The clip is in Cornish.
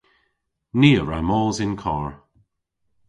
Ni a wra mos yn karr.